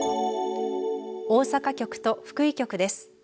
大阪局と福井局です。